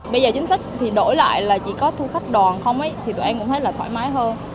bây giờ chính sách thì đổi lại là chỉ có thu khách đòn không thì tụi em cũng thấy là thoải mái hơn